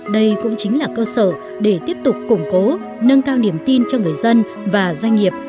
đây cũng chính là cơ sở để tiếp tục củng cố nâng cao niềm tin cho người dân và doanh nghiệp